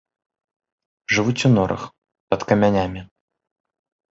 Жывуць у норах, пад камянямі.